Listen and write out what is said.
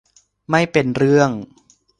ไม่เป็นเรื่อง